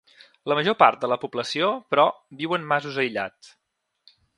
La major part de la població, però, viu en masos aïllats.